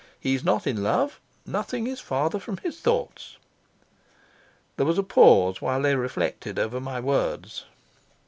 He's not in love. Nothing is farther from his thoughts." There was a pause while they reflected over my words.